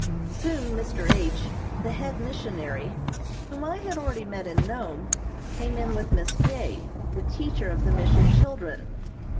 Soon Mr. H., the head missionary, whom I had already met in Nome, came in with Miss J., the teacher of the Mission children.